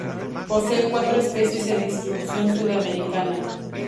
Posee cuatro especies de distribución sudamericana.